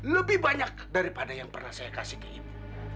lebih banyak daripada yang pernah saya kasih ke ibu